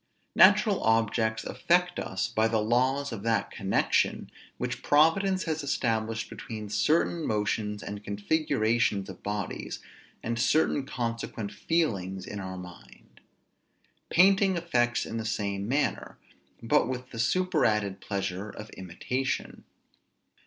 Natural objects affect us by the laws of that connection which Providence has established between certain motions and configurations of bodies, and certain consequent feelings in our mind. Painting affects in the same manner, but with the superadded pleasure of imitation.